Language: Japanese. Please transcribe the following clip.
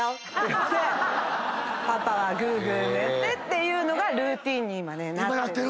パパはグーグー寝てっていうのがルーティンに今ねなってる。